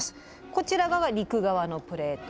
こちらが陸側のプレート